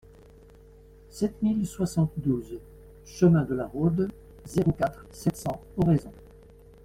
sept mille soixante-douze chemin de la Rhôde, zéro quatre, sept cents, Oraison